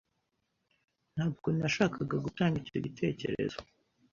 Ntabwo nashakaga gutanga icyo gitekerezo